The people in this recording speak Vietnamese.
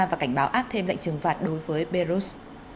và cảnh báo áp thêm lệnh trừng phạt đối với belarus